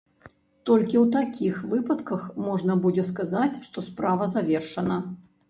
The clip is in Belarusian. Толькі ў такіх выпадках можна будзе сказаць, што справа завершана.